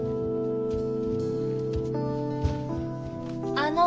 あの。